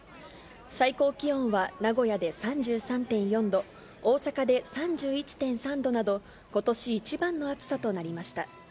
最高気温は名古屋で３３．４度、大阪で３１．３度など、ことし一番の暑さとなりました。